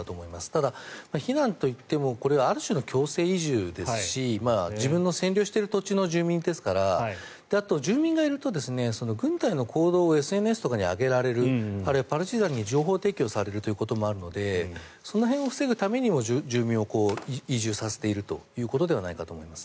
ただ、避難といってもこれはある種の強制移住ですし自分が占領している土地の住民ですからあと住民がいると軍隊の行動をＳＮＳとかに上げられるあるいはパルチザンに情報提供されるということもあるのでその辺を防ぐためにも住民を移住させているということではないかと思います。